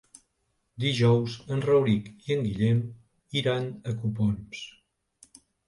Dijous en Rauric i en Guillem iran a Copons.